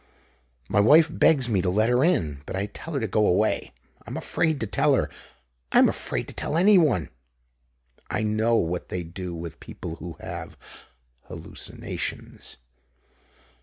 My wife begs me to let her in, but I tell her to go away. I'm afraid to tell her I'm afraid to tell anyone. I know what they do with people who have "hallucinations".